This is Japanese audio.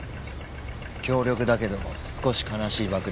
強力だけど少し悲しい爆弾。